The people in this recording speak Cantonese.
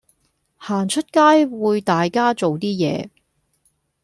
行出街會大家做啲嘢